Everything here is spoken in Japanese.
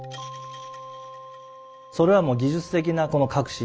それはもう技術的なこの革新。